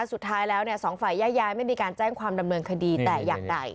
สุดท้ายแล้วเนี่ยสองฝ่ายแยกย้ายไม่มีการแจ้งความดำเนินคดีแต่อย่างใด